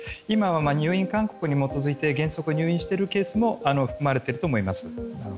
今は入院勧告に基づいて原則入院しているケースも含まれていると思います。